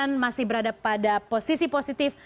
yang masih berada pada posisi positif